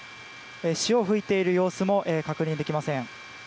潮を吹いている様子も確認できません。